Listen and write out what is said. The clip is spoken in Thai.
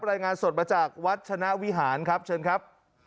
รายงานสดมาจากวัชนะวิหารครับเชิญครับ